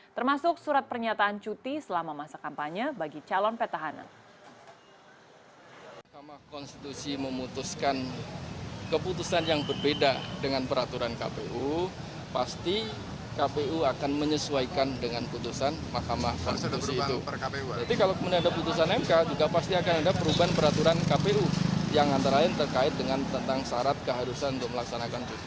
termasuk surat pernyataan cuti selama masa kampanye bagi calon petahanan